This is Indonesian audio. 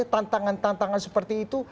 tantangan tantangan seperti itu